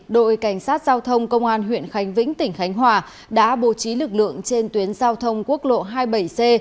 đội cảnh sát giao thông công an huyện khánh vĩnh tỉnh khánh hòa đã bố trí lực lượng trên tuyến giao thông quốc lộ hai mươi bảy c